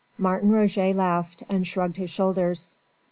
Martin Roget laughed and shrugged his shoulders.